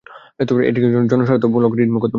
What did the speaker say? এটি একটি জনস্বার্থমূলক রিট মোকদ্দমা।